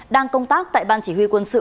đang công tác tại ban chỉ huy quân sự